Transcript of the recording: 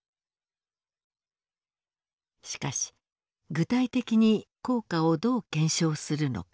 しかし具体的に効果をどう検証するのか。